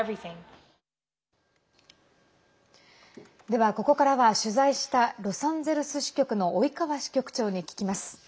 では、ここからは取材したロサンゼルス支局の及川支局長に聞きます。